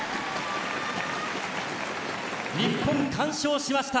日本、完勝しました。